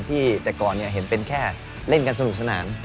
ที่แต่ก่อนเห็นเป็นแค่เล่นกันสนุกสนาน